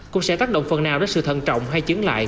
cũng sẽ tác động phần nào đến sự thận trọng hay chứng lại